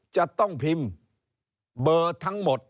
จะต้องพิมพ์เบอร์ทั้งหมด